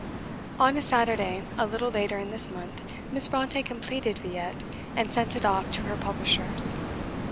On a Saturday, a little later in this month, Miss Brontë completed 'Villette,' and sent it off to her publishers.